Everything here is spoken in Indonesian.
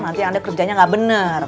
nanti anda kerjanya gak bener